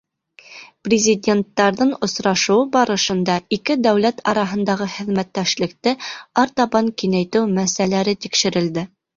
Президенттарҙың осрашыуы барышында ике дәүләт араһындағы хеҙмәттәшлекте артабан киңәйтеү мәсьәләләре тикшерелде.